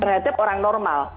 berhadap orang normal